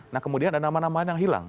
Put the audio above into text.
nah kemudian ada nama nama yang hilang